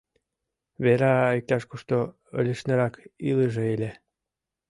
— Вера иктаж-кушто лишнырак илыже ыле!